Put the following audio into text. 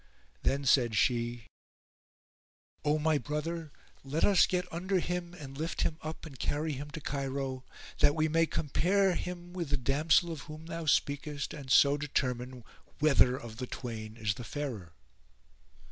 Then said she, "O my brother, let us get under him and lift him up and carry him to Cairo, that we may compare him with the damsel of whom thou speakest and so determine whether of the twain is the fairer."